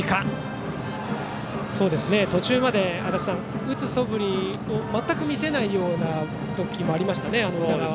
途中まで打つそぶりを全く見せないような時もありましたね、宇田。